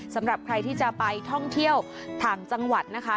สำหรับใครที่จะไปท่องเที่ยวต่างจังหวัดนะคะ